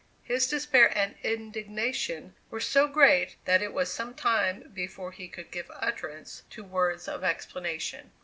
His despair and indignation were so great that it was some time before he could give utterance to words of explanation.